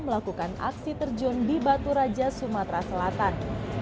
melakukan aksi terjun di batu raja sumatera selatan